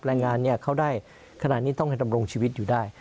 แรงงานเขาได้ขนาดนี้ต้องให้ดำรงชีวิตอยู่ได้